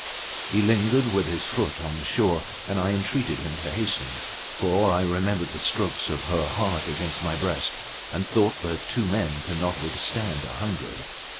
He lingered with his foot on the shore, and I entreated him to hasten, for I remembered the strokes of her heart against my breast and thought that two men cannot withstand a hundred.